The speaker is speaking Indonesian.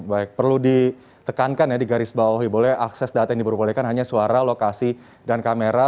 baik perlu ditekankan ya di garis bawahi boleh akses data yang diperbolehkan hanya suara lokasi dan kamera